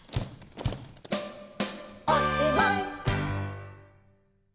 「おしまい！」